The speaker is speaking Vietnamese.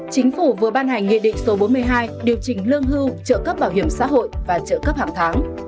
chính phủ vừa ban hành nghị định số bốn mươi hai điều chỉnh lương hưu trợ cấp bảo hiểm xã hội và trợ cấp hàng tháng